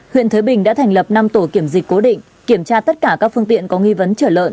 huyện thới bình đã thành lập năm tổ kiểm dịch cố định kiểm tra tất cả các phương tiện có nghi vấn trở lợn